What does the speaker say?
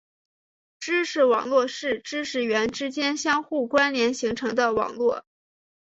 知识网络是知识元之间相互关联形成的网络。